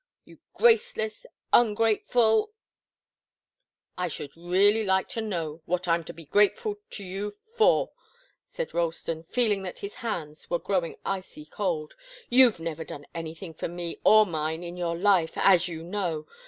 You graceless, ungrateful " "I should really like to know what I'm to be grateful to you for," said Ralston, feeling that his hands were growing icy cold. "You've never done anything for me or mine in your life as you know.